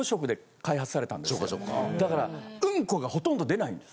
だからウンコがほとんど出ないんです。